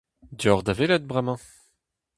Deoc'h da welet bremañ !